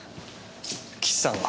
岸さんは？